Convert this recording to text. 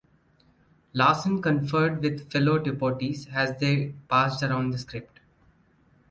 Larsen conferred with fellow deportees as they passed around the script.